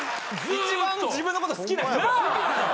一番自分のこと好きな人。なぁ。